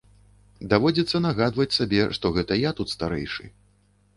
Даводзіцца нагадваць сабе, што гэта я тут старэйшы.